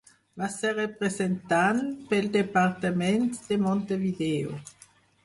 Va ser representant pel departament de Montevideo.